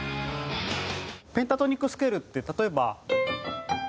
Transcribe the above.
ペンタトニックスケールって例えば。